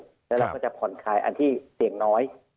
แล้วเราก็จะผ่อนคลายอันที่เสี่ยงน้อย